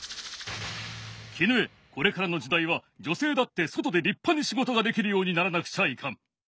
絹枝これからの時代は女性だって外で立派に仕事ができるようにならなくちゃいかん。